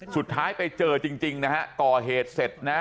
สุดท้ายไปเจอจริงนะฮะก่อเหตุเสร็จนะฮะ